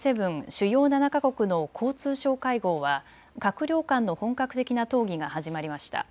・主要７か国の交通相会合は閣僚間の本格的な討議が始まりました。